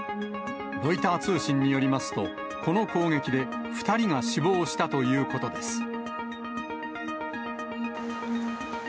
ロイター通信によりますと、この攻撃で２人が死亡したということです。